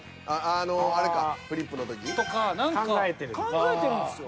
あのあれかフリップの時。とか何か考えてるんですよ。